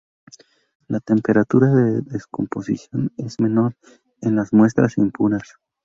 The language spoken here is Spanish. La temperatura de descomposición es menor en las muestras impuras.